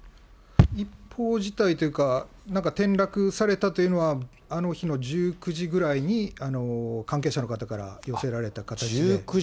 一報自体というか、なんか転落されたというのは、あの日の１９時くらいに関係者の方から寄せられた形で。